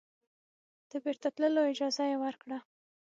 د بیرته تللو اجازه یې ورکړه.